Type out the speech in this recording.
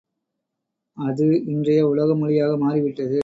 அது இன்றைய உலக மொழியாக மாறிவிட்டது.